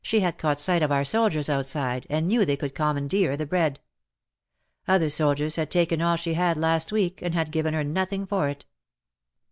She had caught sight of our soldiers outside, and knew they could commandeer the bread. Other soldiers had taken all she had last week, and had given her nothing for it.